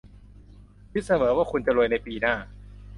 คิดเสมอว่าคุณจะรวยในปีหน้า